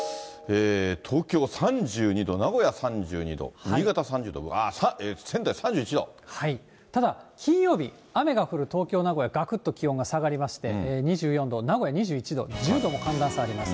東京３２度、名古屋３２度、ただ金曜日、雨が降る東京、名古屋、がくっと気温が下がりまして、２４度、名古屋２１度、１０度も寒暖差あります。